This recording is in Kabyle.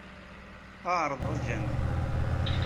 Ɛreḍ a Jamal.